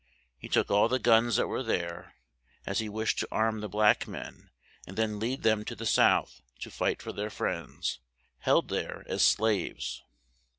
He took all the guns that were there, as he wished to arm the black men and then lead them to the South to fight for their friends, held there as slaves.